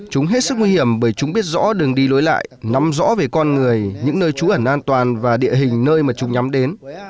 chúng hết sức nguy hiểm bởi chúng biết rõ đường đi lối lại nắm rõ về con người những nơi trú ẩn an toàn và địa hình nơi mà chúng nhắm đến